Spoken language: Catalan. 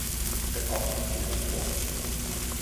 D'acord amb quin autor?